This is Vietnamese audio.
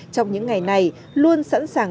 trong những ngày này luôn sẵn sàng